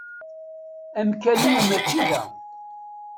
Amkan-iw mačči da.